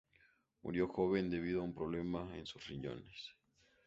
Murió joven debido a un problema en sus riñones.